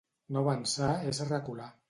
No avançar és recular.